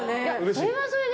それはそれで。